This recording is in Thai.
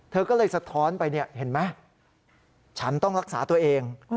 เธอก็เลยสะท้อนไปเนี่ยเห็นไหมฉันต้องรักษาตัวเอง